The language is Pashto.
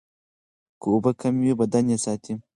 که اوبه کمې وي، بدن یې ساتي.